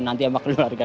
nanti sama keluarga